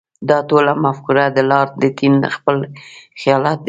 دا ټوله مفکوره د لارډ لیټن خپل خیالات دي.